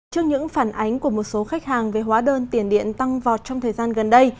trước những phản ánh của một số khách hàng về hóa đơn tiền điện tăng vọt trong thời gian gần đây